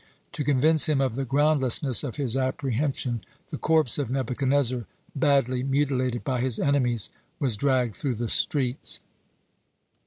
To convince him of the groundlessness of his apprehension, the corpse of Nebuchadnezzar, badly mutilated by his enemies, was dragged through the streets.